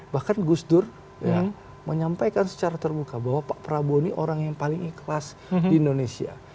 bahkan gus dur menyampaikan secara terbuka bahwa pak prabowo ini orang yang paling ikhlas di indonesia